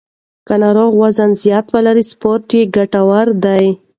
که ناروغ وزن زیات ولري، سپورت یې ګټور دی.